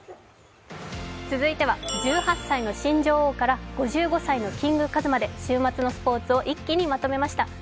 続いては、１８歳の新女王から５５歳のキングカズまで、週末のスポーツを一気にまとめました。